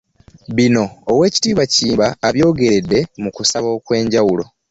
Bino Oweekitiibwa Kiyimba abyogeredde mu kusaba okwenjawulo.